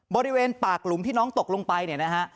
บริเวณปากหลุมที่น้องตกลงไปเนี่ยนะฮะ